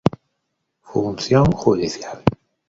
Función Judicial.